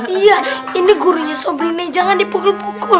iya ini gurunya sobri nek jangan dipukul pukul